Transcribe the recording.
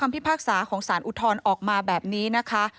พิพากษาของสารอุทธรณ์ออกมาแบบนี้นะคะ